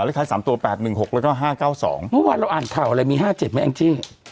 เลขท้ายสามตัวแปดหนึ่งหกแล้วก็ห้าเก้าสองเมื่อวานเราอ่านข่าวอะไรมีห้าเจ็ดไหมอังจิ